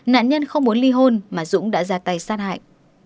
nạn nhân không muốn ly hôn mà dũng đã ra tay sát hại